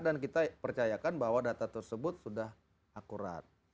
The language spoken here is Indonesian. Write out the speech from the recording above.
dan kita percayakan bahwa data tersebut sudah akurat